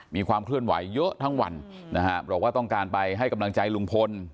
มีความเคลื่อนไหวเยอะทั้งวันนะฮะบอกว่าต้องการไปให้กำลังใจลุงพล